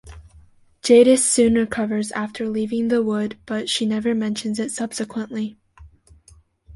Jadis soon recovers after leaving the Wood, but she never mentions it subsequently.